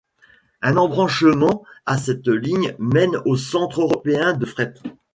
Un embranchement à cette ligne mène au Centre européen de fret.